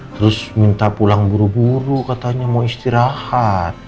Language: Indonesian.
terus minta pulang buru buru katanya mau istirahat